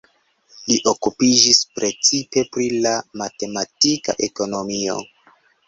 Li okupiĝis precipe pri la matematika ekonomio.